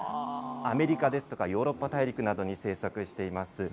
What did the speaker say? アメリカですとか、ヨーロッパ大陸などに生息しています